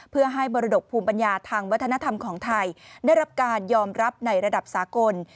เพื่อให้มรดกภูมิปัญญาทางวัฒนธรรมของไทยได้รับการยอมรับในระดับสากล